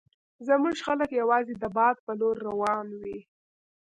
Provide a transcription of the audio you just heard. زموږ خلک یوازې د باد په لور روان وي.